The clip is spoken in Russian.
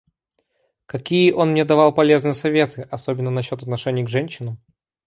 Какие он мне давал полезные советы... особенно насчет отношений к женщинам.